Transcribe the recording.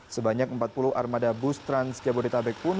sebanyak empat puluh armada bus transkaboritabek pun